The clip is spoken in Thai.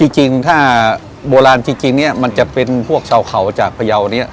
จริงถ้าโบราณจริงเนี่ยมันจะเป็นพวกชาวเขาจากพยาวนี้